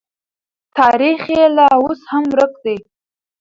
تاریخ یې لا اوس هم ورک دی.